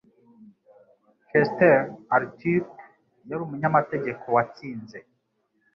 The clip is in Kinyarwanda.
Chester Arthur yari umunyamategeko watsinze.